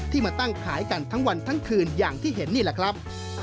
มาตั้งขายกันทั้งวันทั้งคืนอย่างที่เห็นนี่แหละครับ